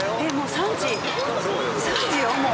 ３時よもう。